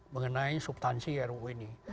mengenai substansi rukhp ini